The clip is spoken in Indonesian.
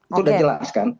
itu udah jelas kan